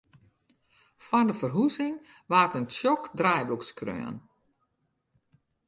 Foar de ferhuzing waard in tsjok draaiboek skreaun.